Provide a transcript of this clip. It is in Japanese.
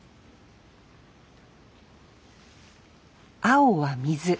青は水。